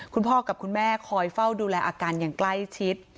คุณพ่อกับคุณแม่คอยเฝ้าดูแลอาการอย่างใกล้ชิด